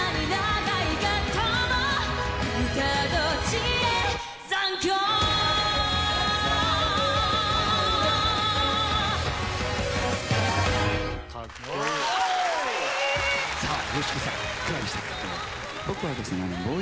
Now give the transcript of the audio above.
いかがでしたか？